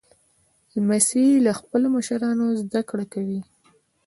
لمسی له خپلو مشرانو زدهکړه کوي.